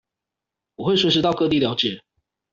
我會隨時到各地了解